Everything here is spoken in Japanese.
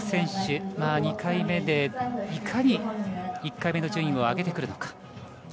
各選手、２回目でいかに１回目の順位を上げてくるのか。